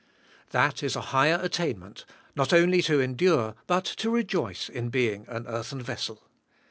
That is a higher attainment, not only to endure but to rejoice in being an earthen vessel.